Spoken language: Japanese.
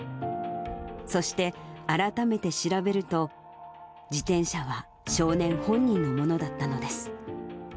そして、改めて調べると、自転車は少年本人のものだったのです。